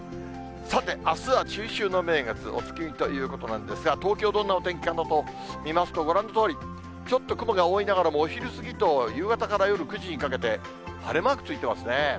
さて、あすは中秋の名月、お月見ということなんですが、東京、どんなお天気かなと見ますと、ご覧のとおり、ちょっと雲が多いながらも、お昼過ぎと夕方から夜９時にかけて、晴れマークついてますね。